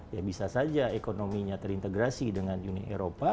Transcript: ya bisa saja ekonominya terintegrasi dengan uni eropa